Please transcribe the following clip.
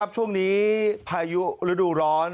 ช่วงนี้พายุฤดูร้อน